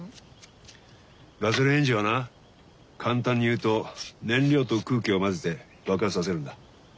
ガソリンエンジンはな簡単に言うと燃料と空気を混ぜて爆発させるんだ。